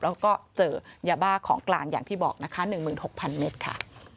แล้วก็เจอยาบ้าของกลางอย่างที่บอกนะคะ๑๖๐๐เมตรค่ะ